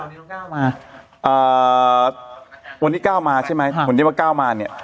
นี่น้องก้าวมาอ่าวันนี้ก้าวมาใช่ไหมค่ะผมเรียกว่าก้าวมาเนี้ย